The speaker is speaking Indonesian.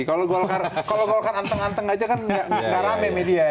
kalau golkar anteng anteng saja kan tidak ramai media